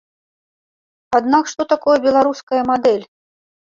Аднак што такое беларуская мадэль?